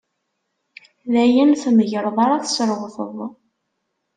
D ayen tmegreḍ ara tesrewreḍ.